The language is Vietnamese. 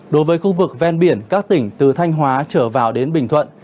đối với khu vực ven biển các tỉnh từ thanh hóa trở vào đến bình thuận